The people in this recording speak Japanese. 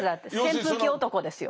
扇風機男ですよ。